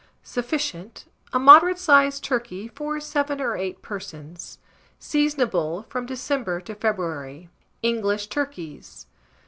Sufficient. A moderate sized turkey for 7 or 8 persons. Seasonable from December to February. ENGLISH TURKEYS.